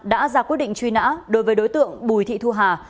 đã ra quyết định truy nã đối với đối tượng bùi thị thu hà